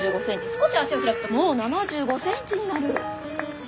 少し足を開くともう７５ｃｍになる。